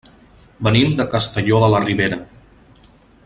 Venim de Castelló de la Ribera.